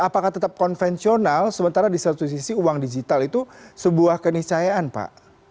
apakah tetap konvensional sementara di satu sisi uang digital itu sebuah kenisayaan pak